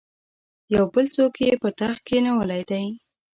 یو بل څوک یې پر تخت کښېنولی دی.